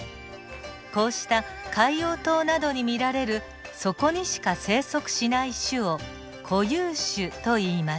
こうした海洋島などに見られるそこにしか生息しない種を固有種といいます。